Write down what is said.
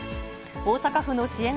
大阪府の支援